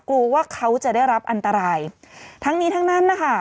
กลัวว่าเขาจะได้รับอันตรายทั้งนี้ทั้งนั้นนะคะ